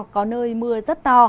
có nơi mưa rất to